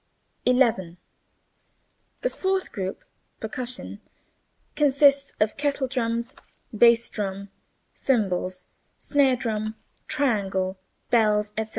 11. The fourth group (percussion) consists of kettle drums, bass drum, cymbals, snare drum, triangle, bells, etc.